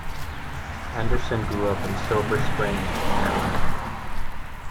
Anderson grew up in Silver Spring, Maryland.